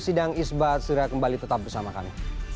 sidang isbat segera kembali tetap bersama kami